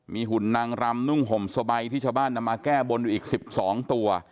มีหุ่นนางรำนุ่งห่มสบายที่ชาวบ้านนำมาแก้บนอยู่อีก๑๒ตัว